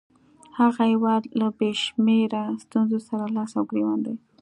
هغه هیواد له بې شمېره ستونزو سره لاس او ګرېوان دی.